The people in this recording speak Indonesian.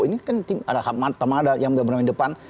ini kan tim ada hamada yang bermain di depan